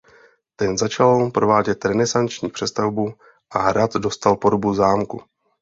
Ten začal provádět renesanční přestavbu a hrad dostal podobu zámku.